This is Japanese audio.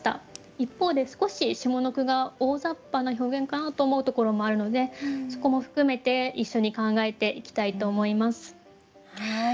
一方で少し下の句が大ざっぱな表現かなと思うところもあるのでそこも含めて一緒に考えていきたいと思います。